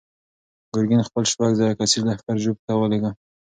ګورګین خپل شپږ زره کسیز لښکر ژوب ته ولېږه.